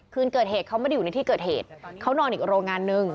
คืนเกิดเหตุเขาไม่ได้อยู่ในที่เกิดเหตุเขานอนอีกโรงงานนึง